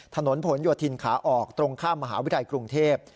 ถนนผลโยธินขาออกตรงข้ามมหาวิทยาลัยกรุงเทพ